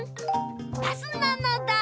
バスなのだ！